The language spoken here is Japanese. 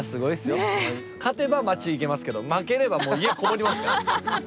勝てば街行けますけど負ければもう家籠もりますから。